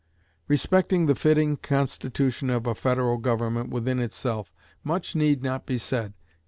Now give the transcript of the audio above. Respecting the fitting constitution of a federal government within itself, much need not be said.